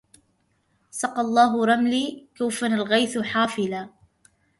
سقى الله رملي كوفن الغيث حافلا